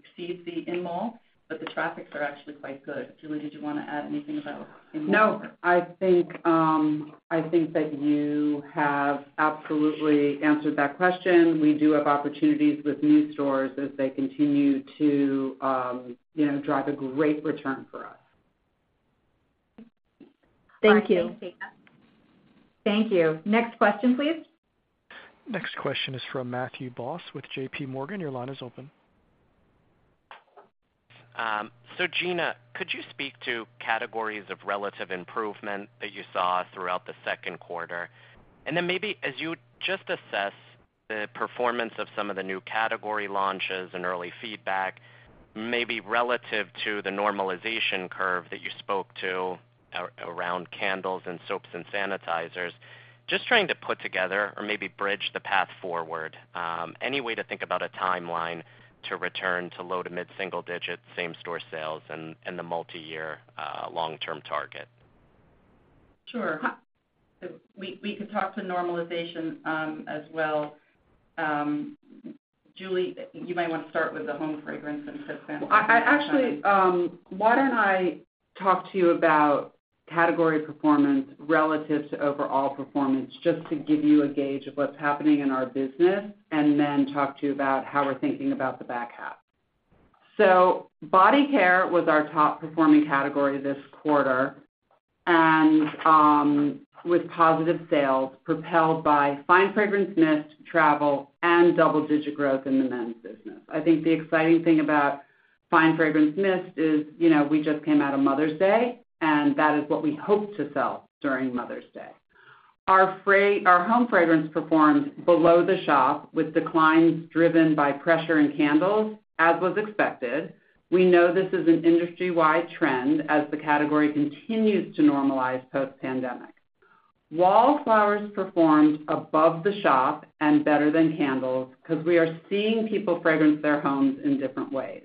exceeds the in-mall, but the traffics are actually quite good. Julie, did you want to add anything about in-mall? No, I think, I think that you have absolutely answered that question. We do have opportunities with new stores as they continue to, you know, drive a great return for us. Thank you. All right. Thanks, Dana. Thank you. Next question, please. Next question is from Matthew Boss with JPMorgan. Your line is open. Gina, could you speak to categories of relative improvement that you saw throughout the second quarter? Maybe as you just assess the performance of some of the new category launches and early feedback, maybe relative to the normalization curve that you spoke to around candles and soaps and sanitizers, just trying to put together or maybe bridge the path forward, any way to think about a timeline to return to low to mid single digit, same-store sales and, and the multiyear, long-term target? Sure. We, we could talk to normalization, as well. Julie, you might want to start with the home fragrance and scent. I, I actually, why don't I talk to you about category performance relative to overall performance, just to give you a gauge of what's happening in our business, and then talk to you about how we're thinking about the back half. Body care was our top-performing category this quarter, and with positive sales propelled by fine fragrance mist, travel, and double-digit growth in the men's business. I think the exciting thing about fine fragrance mist is, you know, we just came out of Mother's Day, and that is what we hoped to sell during Mother's Day. Our home fragrance performed below the shop, with declines driven by pressure in candles, as was expected. We know this is an industry-wide trend as the category continues to normalize post-pandemic. Wallflowers performed above the shop and better than candles, because we are seeing people fragrance their homes in different ways.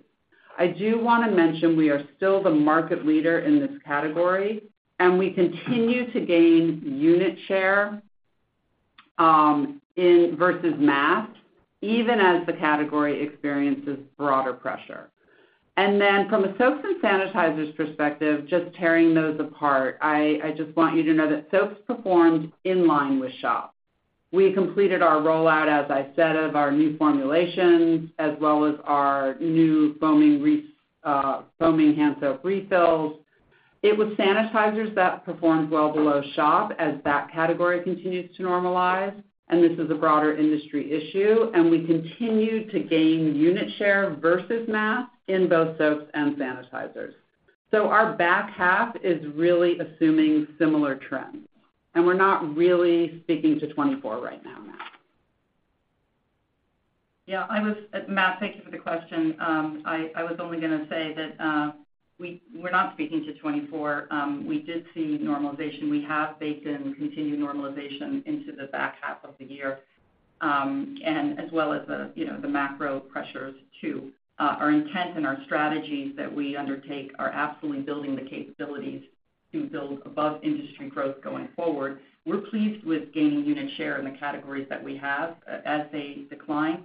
I do want to mention we are still the market leader in this category, and we continue to gain unit share in versus mass, even as the category experiences broader pressure. From a soaps and sanitizers perspective, just tearing those apart, I just want you to know that soaps performed in line with shop. We completed our rollout, as I said, of our new formulations, as well as our new foaming hand soap refills. It was sanitizers that performed well below shop as that category continues to normalize. This is a broader industry issue, and we continue to gain unit share versus mass in both soaps and sanitizers. Our back half is really assuming similar trends, and we're not really speaking to 2024 right now, Matt. Yeah, Matt, thank you for the question. I was only gonna say that we're not speaking to 2024. We did see normalization. We have baked in continued normalization into the back half of the year, and as well as the, you know, the macro pressures, too. Our intent and our strategies that we undertake are absolutely building the capabilities to build above industry growth going forward. We're pleased with gaining unit share in the categories that we have as they decline.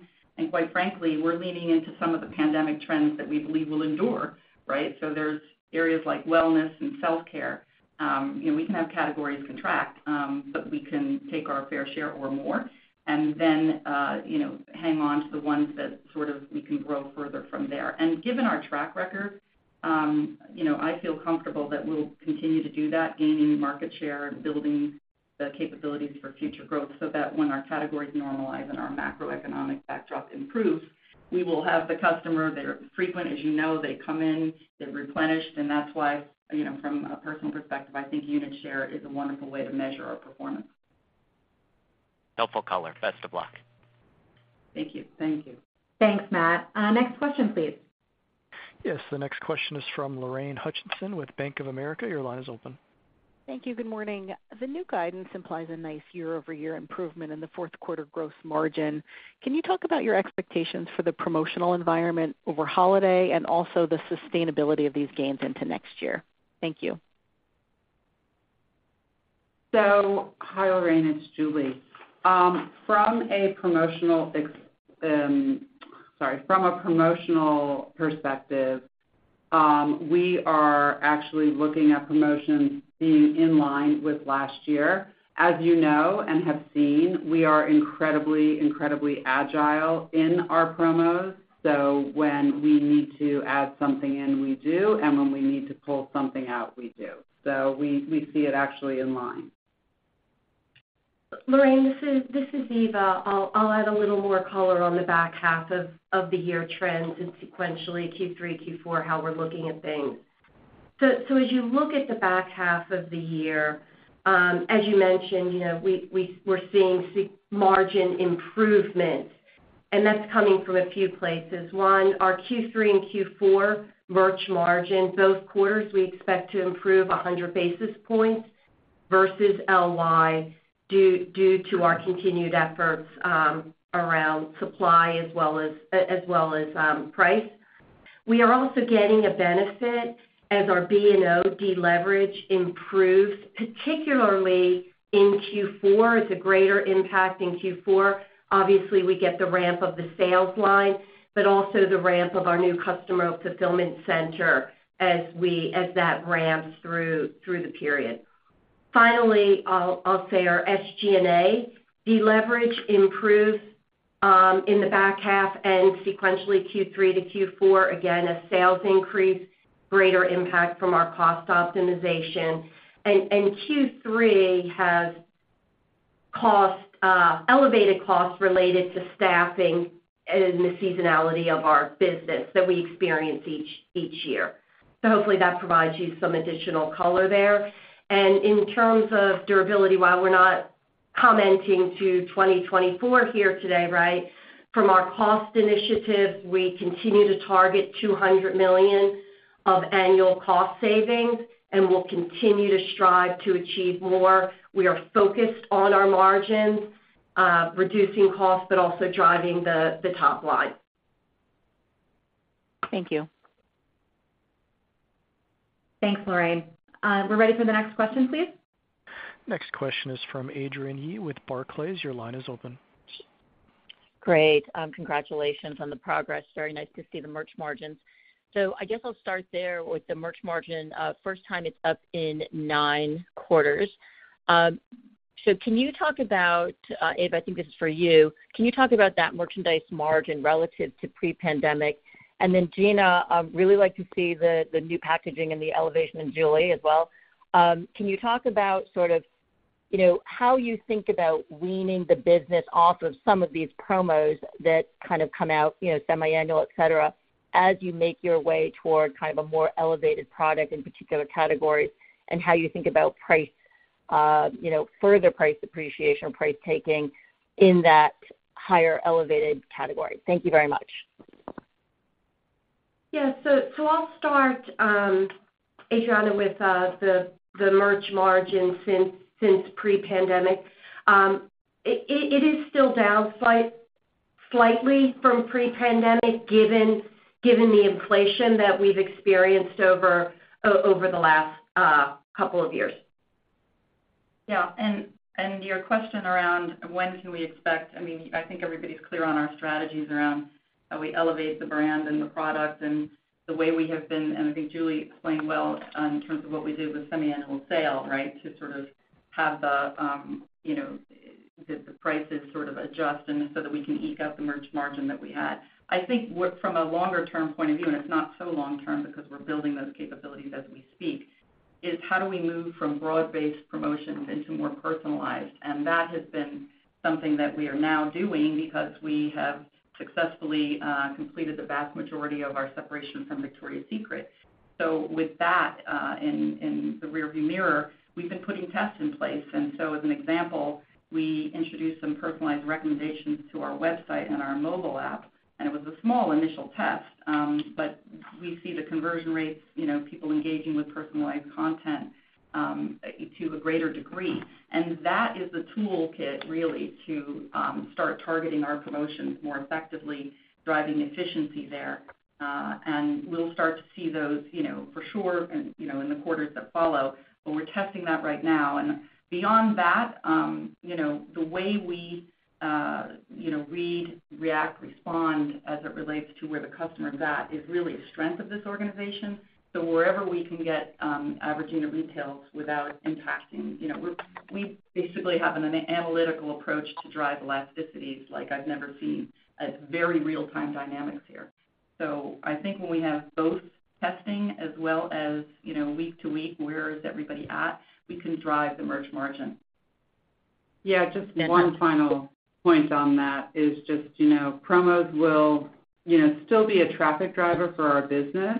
Quite frankly, we're leaning into some of the pandemic trends that we believe will endure, right? So there's areas like wellness and self-care. you know, we can have categories contract, but we can take our fair share or more, and then, you know, hang on to the ones that sort of we can grow further from there. Given our track record, you know, I feel comfortable that we'll continue to do that, gaining market share and building the capabilities for future growth so that when our categories normalize and our macroeconomic backdrop improves, we will have the customer. They're frequent, as you know, they come in, they replenish, and that's why, you know, from a personal perspective, I think unit share is a wonderful way to measure our performance. Helpful color. Best of luck. Thank you. Thank you. Thanks, Matt. Next question, please. Yes, the next question is from Lorraine Hutchinson with Bank of America. Your line is open. Thank you. Good morning. The new guidance implies a nice year-over-year improvement in the fourth quarter gross margin. Can you talk about your expectations for the promotional environment over Holiday and also the sustainability of these gains into next year? Thank you. Hi, Lorraine, it's Julie. From a promotional perspective, we are actually looking at promotions being in line with last year. As you know and have seen, we are incredibly, incredibly agile in our promos. When we need to add something in, we do, and when we need to pull something out, we do. We, we see it actually in line. Lorraine, this is, this is Eva. I'll, I'll add a little more color on the back half of, of the year trends and sequentially Q3, Q4, how we're looking at things. As you look at the back half of the year, as you mentioned, you know, we, we're seeing margin improvement, and that's coming from a few places. One, our Q3 and Q4 merch margin, those quarters, we expect to improve 100 basis points versus LY, due to our continued efforts around supply as well as, as well as price. We are also getting a benefit as our B&O deleverage improves, particularly in Q4. It's a greater impact in Q4. Obviously, we get the ramp of the sales line, but also the ramp of our new customer fulfillment center as that ramps through, through the period. Finally, I'll, I'll say our SG&A deleverage improves in the back half and sequentially Q3 to Q4. A sales increase, greater impact from our cost optimization. Q3 has cost elevated costs related to staffing and the seasonality of our business that we experience each, each year. Hopefully, that provides you some additional color there. In terms of durability, while we're not commenting to 2024 here today, right? From our cost initiative, we continue to target $200 million of annual cost savings, and we'll continue to strive to achieve more. We are focused on our margins, reducing costs, but also driving the, the top line. Thank you. Thanks, Lorraine. We're ready for the next question, please. Next question is from Adrienne Yih with Barclays. Your line is open. Great. Congratulations on the progress. Very nice to see the merch margins. I guess I'll start there with the merch margin. First time it's up in 9 quarters. Can you talk about Eva, I think this is for you. Can you talk about that merchandise margin relative to pre-pandemic? Gina, I'd really like to see the new packaging and the elevation in Julie as well. Can you talk about sort of, you know, how you think about weaning the business off of some of these promos that kind of come out, you know, semiannual, et cetera, as you make your way toward kind of a more elevated product in particular categories, and how you think about price, you know, further price appreciation or price taking in that higher elevated category? Thank you very much.... Yeah, I'll start, Adrienne, with the merch margin since pre-pandemic. It is still down slight, slightly from pre-pandemic, given, given the inflation that we've experienced over the last couple of years. Yeah. Your question around when can we expect... I mean, I think everybody's clear on our strategies around how we elevate the brand and the product and the way we have been, and I think Julie explained well, in terms of what we did with Semi-Annual Ssale, right? To sort of have the, you know, the, the prices sort of adjust and so that we can eke out the merch margin that we had. I think what from a longer-term point of view, and it's not so long term because we're building those capabilities as we speak, is how do we move from broad-based promotions into more personalized? That has been something that we are now doing because we have successfully completed the vast majority of our separation from Victoria's Secret. With that, in the rearview mirror, we've been putting tests in place. As an example, we introduced some personalized recommendations to our website and our mobile app, and it was a small initial test, but we see the conversion rates, you know, people engaging with personalized content, to a greater degree. That is the toolkit really to start targeting our promotions more effectively, driving efficiency there. We'll start to see those, you know, for sure, and, you know, in the quarters that follow. We're testing that right now. Beyond that, you know, the way we, you know, read, react, respond as it relates to where the customer is at is really a strength of this organization. Wherever we can get, Average Unit Retails without impacting... You know, we basically have an analytical approach to drive elasticities like I've never seen, a very real-time dynamics here. I think when we have both testing as well as, you know, week to week, where is everybody at, we can drive the merch margin. Yeah, just one final point on that is just, you know, promos will, you know, still be a traffic driver for our business.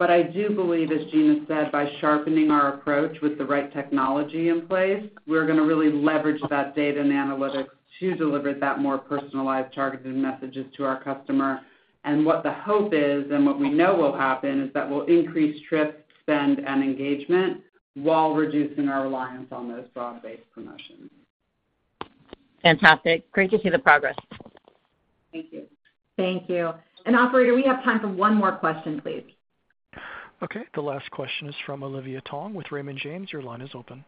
I do believe, as Gina said, by sharpening our approach with the right technology in place, we're gonna really leverage that data and analytics to deliver that more personalized, targeted messages to our customer. What the hope is, and what we know will happen, is that we'll increase trips, spend, and engagement while reducing our reliance on those broad-based promotions. Fantastic. Great to see the progress. Thank you. Thank you. Operator, we have time for one more question, please. Okay, the last question is from Olivia Tong with Raymond James. Your line is open.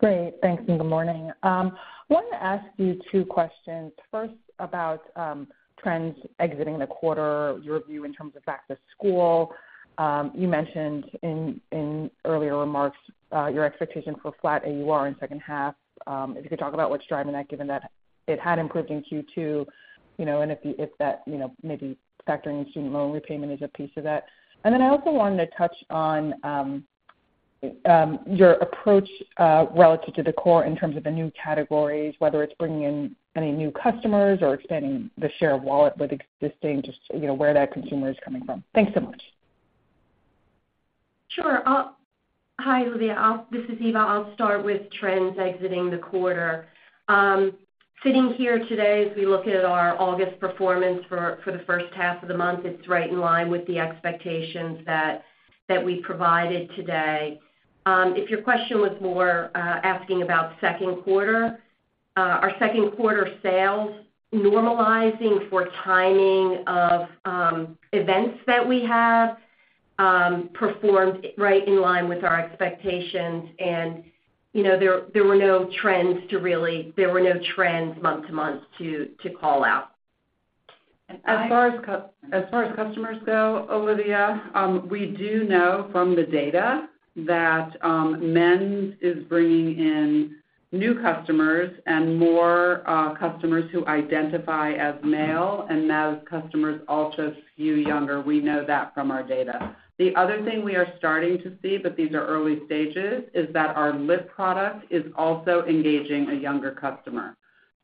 Great. Thanks, and good morning. Wanted to ask you 2 questions. First, about trends exiting the quarter, your view in terms of back to school. You mentioned in, in earlier remarks, your expectation for flat AUR in second half. If you could talk about what's driving that, given that it had improved in Q2, you know, and if, if that, you know, maybe factoring in student loan repayment is a piece of that. Then I also wanted to touch on your approach relative to the core in terms of the new categories, whether it's bringing in any new customers or expanding the share of wallet with existing, just, you know, where that consumer is coming from. Thanks so much. Sure. Hi, Olivia. This is Eva. I'll start with trends exiting the quarter. Sitting here today, as we look at our August performance for the first half of the month, it's right in line with the expectations that we provided today. If your question was more asking about second quarter, our second quarter sales, normalizing for timing of events that we have, performed right in line with our expectations. You know, there were no trends month to month to call out. As far as customers go, Olivia, we do know from the data that men's is bringing in new customers and more customers who identify as male, and those customers also skew younger. We know that from our data. The other thing we are starting to see, but these are early stages, is that our lip product is also engaging a younger customer.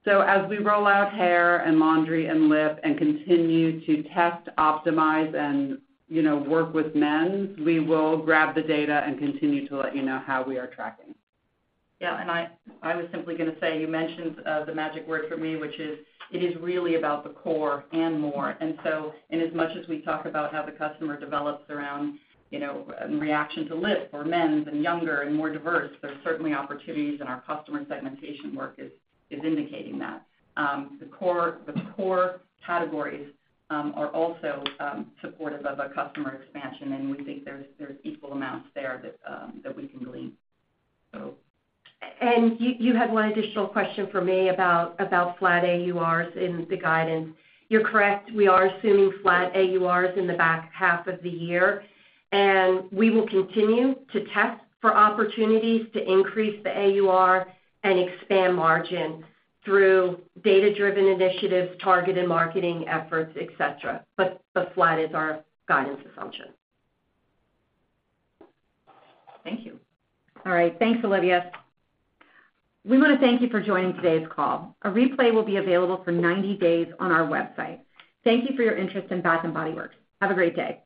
As we roll out hair and laundry and lip and continue to test, optimize and, you know, work with men's, we will grab the data and continue to let you know how we are tracking. Yeah, I, I was simply gonna say, you mentioned the magic word for me, which is it is really about the core and more. As much as we talk about how the customer develops around, you know, in reaction to lip or men's and younger and more diverse, there are certainly opportunities, and our customer segmentation work is, is indicating that. The core, the core categories, are also supportive of a customer expansion, and we think there's, there's equal amounts there that we can glean. You had one additional question for me about, about flat AURs in the guidance. You're correct. We are assuming flat AURs in the back half of the year, and we will continue to test for opportunities to increase the AUR and expand margin through data-driven initiatives, targeted marketing efforts, et cetera. Flat is our guidance assumption. Thank you. All right. Thanks, Olivia. We want to thank you for joining today's call. A replay will be available for 90 days on our website. Thank you for your interest in Bath & Body Works. Have a great day.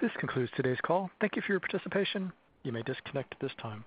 This concludes today's call. Thank you for your participation. You may disconnect at this time.